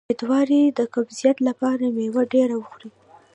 د امیدوارۍ د قبضیت لپاره میوه ډیره وخورئ